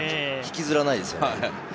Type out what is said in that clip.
引きずらないですよね。